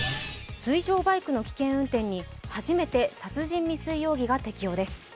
水上バイクの危険運転に初めて殺人未遂容疑が適用です。